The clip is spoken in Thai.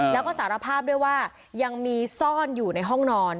แล้วก็สารภาพด้วยว่ายังมีซ่อนอยู่ในห้องนอน